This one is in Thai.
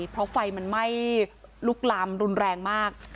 เพราะไฟมันไหม้ลุกลามรุนแรงมาก